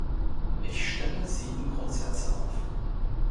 Ich stelle sieben Grundsätze auf.